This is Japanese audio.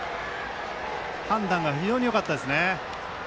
判断が非常によかったですね。